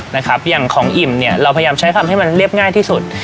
นะครับอย่างของอิ่มเนี่ยเราพยายามใช้คำให้มันเรียบง่ายที่สุด